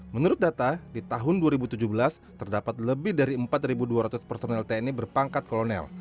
menurut data di tahun dua ribu tujuh belas terdapat lebih dari empat dua ratus personel tni berpangkat kolonel